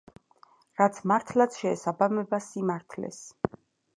რაც მართლაც შეესაბამება სიმართლეს.